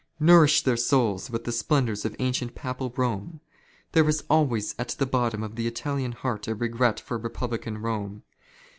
Nourish their souls with the splendours of ancient " Papal Rome. There is always at the bottom of the Italian " heart a regret for Republican Rome.